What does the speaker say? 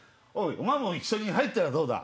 「お前も一緒に入ったらどうだ？」